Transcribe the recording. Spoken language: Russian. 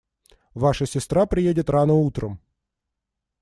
Ваша сестра приедет рано утром.